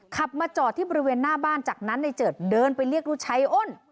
ขับมาจอดที่บริเวณหน้าบ้านจากนั้นในเจิดเดินไปเรียกลูกชายอ้น